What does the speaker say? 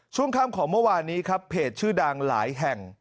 ช่วงค่ำของเมื่อวานนี้ครับเพจชื่อดังหลายแห่ง